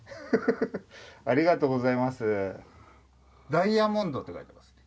「ダイヤモンド」って書いてますね。